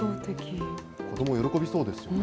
子ども、喜びそうですよね。